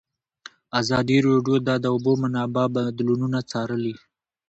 ازادي راډیو د د اوبو منابع بدلونونه څارلي.